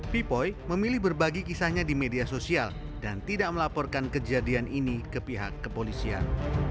pipoi memilih berbagi kisahnya di media sosial dan tidak melaporkan kejadian ini ke pihak kepolisian